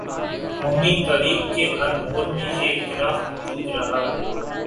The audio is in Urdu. قومی تاریخ کے ہر موڑ پر یہ اختلاف مو جود رہا ہے۔